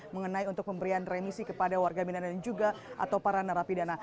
mengenai untuk pemberian remisi kepada warga binaan dan juga atau para narapidana